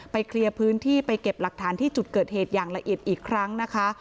เคลียร์พื้นที่ไปเก็บหลักฐานที่จุดเกิดเหตุอย่างละเอียดอีกครั้งนะคะ